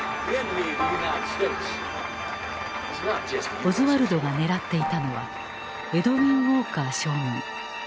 オズワルドが狙っていたのはエドウィン・ウォーカー将軍。